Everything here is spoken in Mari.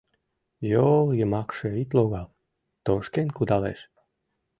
Йол йымакше ит логал, тошкен кудалеш!